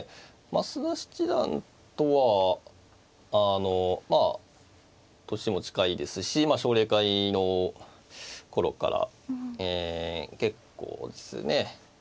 増田七段とはまあ年も近いですし奨励会の頃から結構ですね